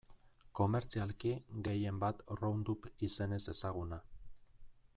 Komertzialki gehien bat Roundup izenez ezaguna.